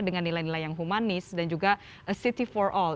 dengan nilai nilai yang humanis dan juga city for all